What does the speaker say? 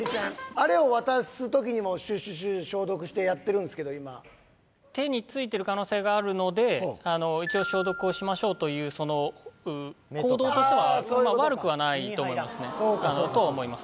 あれを渡す時にもシュシュシュ消毒してやってるんすけど今手についてる可能性があるので一応消毒をしましょうというその行動としては悪くはないと思いますねとは思います